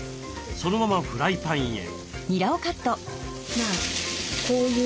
そのままフライパンへ。